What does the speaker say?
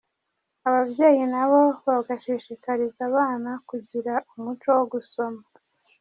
Ababyeyi nabo bagashishikariza abana kugira umuco wo gusoma.